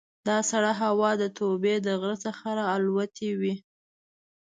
دا سړه هوا د توبې د غره څخه را الوتې وي.